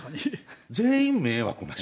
全員迷惑な人。